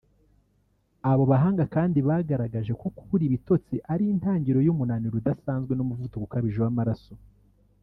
Abo bahanga kandi bagaragaje ko kubura ibitotsi ari intangiriro y’umunaniro udasanzwe n’umuvuduko ukabije w’amaraso